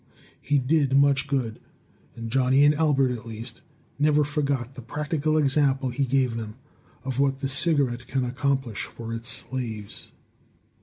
He did much good; and Johnny and Albert, at least, never forgot the practical example he gave them of what the cigarette can accomplish for its slaves.